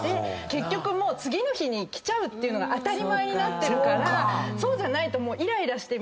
結局次の日に来ちゃうのが当たり前になってるからそうじゃないとイライラして。